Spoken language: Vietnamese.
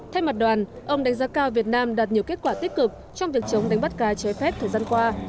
thay mặt đoàn ông đánh giá cao việt nam đạt nhiều kết quả tích cực trong việc chống đánh bắt cá trái phép thời gian qua